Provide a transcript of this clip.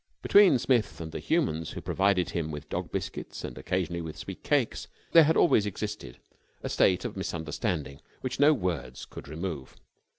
Between Smith and the humans who provided him with dog biscuits and occasionally with sweet cakes there had always existed a state of misunderstanding which no words could remove.